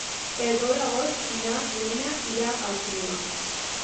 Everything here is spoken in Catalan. El deu d'agost na Lena irà al cinema.